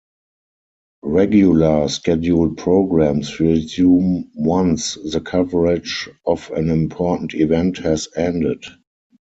Regular scheduled programs resume once the coverage of an important event has ended.